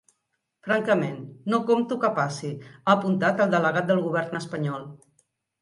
Francament, no compto que passi, ha apuntat el delegat del govern espanyol.